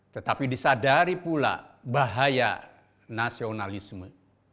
tetapi disadari pula bahaya nasionalisme